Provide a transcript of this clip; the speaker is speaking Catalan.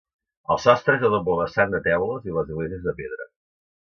El sostre és a doble vessant de teules i l'església és de pedra.